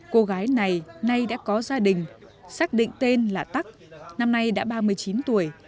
cô gái này nay đã có gia đình xác định tên là tắc năm nay đã ba mươi chín tuổi